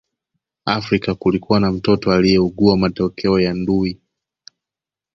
Afrika kulikuwa na mtoto aliyeugua matokeo ya ndui